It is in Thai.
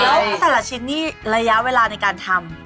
แล้วแต่ละชิ้นนี่ระยะเวลาในการทำ